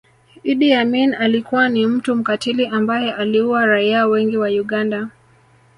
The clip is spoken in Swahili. Idi Amin alikuwa ni mtu mkatili ambaye aliua raia wengi wa Uganda